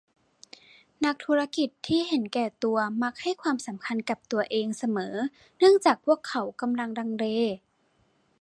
นักธุรกิจที่เห็นแก่ตัวมักให้ความสำคัญกับตัวเองเสมอเนื่องจากพวกเขากำลังลังเล